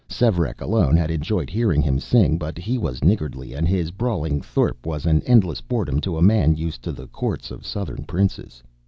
Svearek alone had enjoyed hearing him sing, but he was niggardly and his brawling thorp was an endless boredom to a man used to the courts of southern princes.